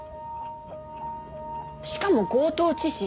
しかも強盗致死。